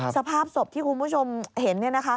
สภาพศพที่คุณผู้ชมเห็น